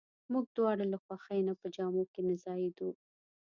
موږ دواړه له خوښۍ نه په جامو کې نه ځایېدو.